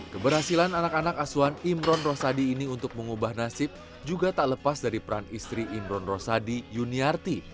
keberhasilan anak anak asuhan imron rosadi ini untuk mengubah nasib juga tak lepas dari peran istri imron rosadi yuniarti